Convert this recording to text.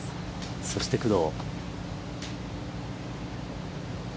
そして、工藤。